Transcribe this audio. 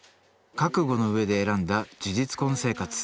覚悟の上で選んだ事実婚生活。